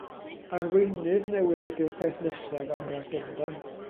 Arweinydd newydd ydi'r peth nesaf ar yr agenda.